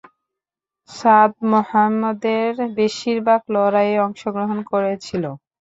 Sa'd মুহাম্মদের বেশিরভাগ লড়াইয়ে অংশগ্রহণ করেছিল।